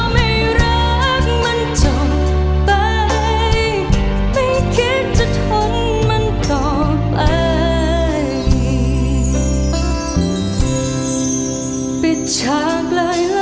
ไม่อาจจะรักมันต่อไป